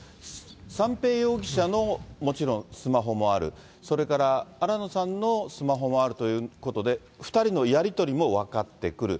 三瓶容疑者のもちろんスマホもある、それから新野さんのスマホもあるということで、２人のやり取りも分かってくる。